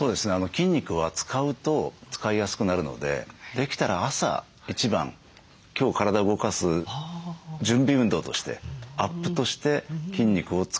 筋肉は使うと使いやすくなるのでできたら朝一番今日体動かす準備運動としてアップとして筋肉を使ってほしいですね。